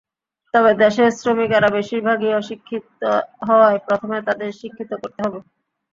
তবে দেশের শ্রমিকেরা বেশির ভাগই অশিক্ষিত হওয়ায় প্রথমে তাঁদের শিক্ষিত করতে হবে।